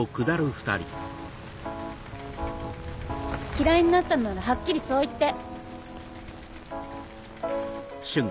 嫌いになったのならはっきりそう言って。